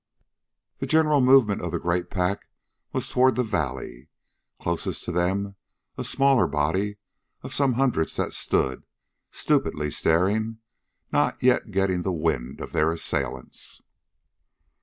The general movement of the great pack was toward the valley; closest to them a smaller body of some hundreds that stood, stupidly staring, not yet getting the wind of their assailants.